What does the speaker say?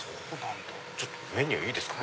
メニューいいですか？